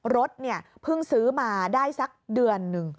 รถเพิ่งซื้อมาได้สักเดือนนึง